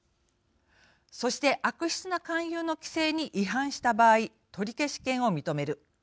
そして、悪質な勧誘の規制に違反した場合、取消権を認める。